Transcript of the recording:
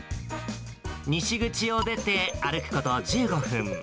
西口を出て歩くこと１５分。